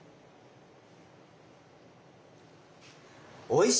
おいしい！